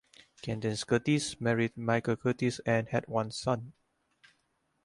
Candace Curtis married Michael Curtis and had one son.